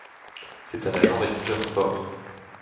C'est un agent réducteur fort.